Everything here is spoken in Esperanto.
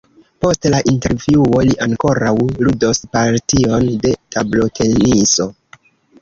Post la intervjuo li ankoraŭ ludos partion de tabloteniso.